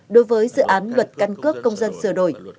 đối với dự án luật căn cước công dân sửa đổi